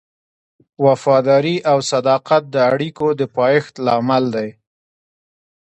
وفاداري او صداقت د اړیکو د پایښت لامل دی.